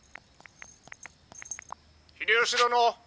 「秀吉殿！」。